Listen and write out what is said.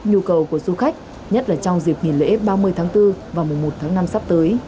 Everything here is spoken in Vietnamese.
nhu cầu của du khách nhất là trong dịp nghỉ lễ ba mươi tháng bốn và mùa một tháng năm sắp tới